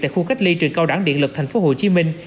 tại khu cách ly trường cao đẳng điện lực thành phố hồ chí minh